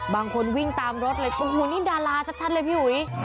บางคนวิ่งตามรถเลยโอ้โหนี่ดาราชัดเลยพี่อุ๋ย